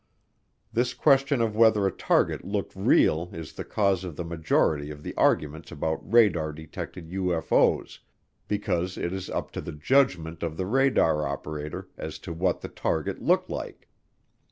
This question of whether a target looked real is the cause of the majority of the arguments about radar detected UFO's because it is up to the judgment of the radar operator as to what the target looked like.